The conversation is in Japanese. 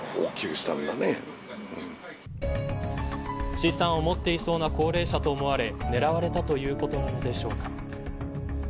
資産を持っていそうな高齢者と思われ狙われたということなのでしょうか。